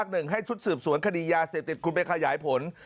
ให้ทดสืบสวนคดียาเสพติดคุณไปขยายผล